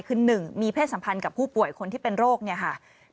คือ๑มีเพศสัมพันธ์กับผู้ป่วยคนที่เป็นโรคเนี่ยค่ะ